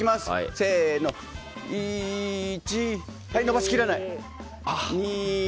せーの、１はい、伸ばしきらない！